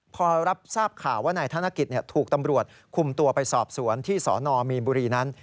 พอรับทราบข่าวว่านายธนกิจถูกตำรวจคุมตัวไปสอบสวนที่สนมีนบุรีนั้น